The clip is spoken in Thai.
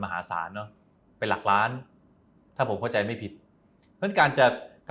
มหาศาลเนาะเป็นหลักล้านถ้าผมก็ใจไม่ผิดเป็นการจะการ